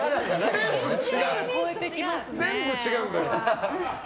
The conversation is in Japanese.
全部違うんだわ。